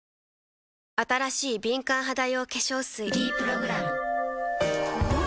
新しい敏感肌用化粧水「ｄプログラム」おっ！